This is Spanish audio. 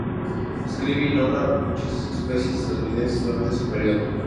Describe y nombra muchas especies estadounidenses durante ese periodo.